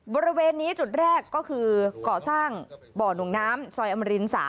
บริเวณนี้จุดแรกก็คือก่อสร้างบ่อนวงน้ำซอยอมริน๓